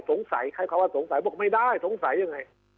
สงสัยใครเขาว่าสงสัยบอกไม่ได้สงสายยังไง